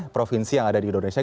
provinsi yang ada di indonesia